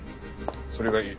それがいい。